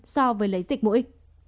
so với lấy dịch mũi